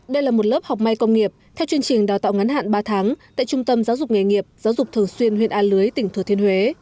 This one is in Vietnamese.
đây là một lớp học may công nghiệp theo chương trình đào tạo ngắn hạn ba tháng tại trung tâm giáo dục nghề nghiệp giáo dục thường xuyên huyện a lưới tỉnh thừa thiên huế